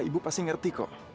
ibu pasti ngerti kok